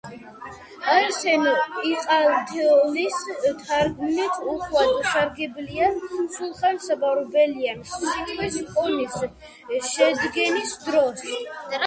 არსენ იყალთოელის თარგმნით უხვად უსარგებლია სულხან-საბა ორბელიანს „სიტყვის კონის“ შედგენის დროს.